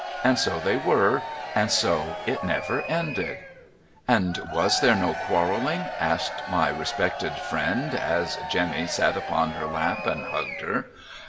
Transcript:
And so they were, and so it never ended !'' And was there no quarrelling ?' asked my respected friend, as Jemmy sat upon her lap and hugged her.